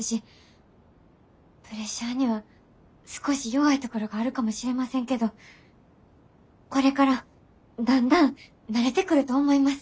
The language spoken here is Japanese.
プレッシャーには少し弱いところがあるかもしれませんけどこれからだんだん慣れてくると思います。